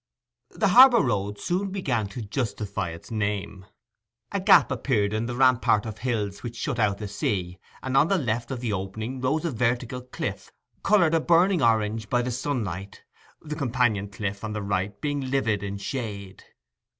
The harbour road soon began to justify its name. A gap appeared in the rampart of hills which shut out the sea, and on the left of the opening rose a vertical cliff, coloured a burning orange by the sunlight, the companion cliff on the right being livid in shade.